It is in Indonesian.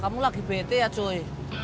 kamu lagi bete ya joy